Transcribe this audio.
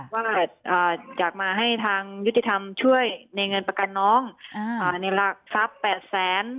ว่าอยากมาให้ทางยุติธรรมช่วยในเงินประกันน้องในหลักทรัพย์๘แสน